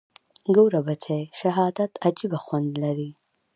ګوره بچى شهادت عجيبه خوند لري.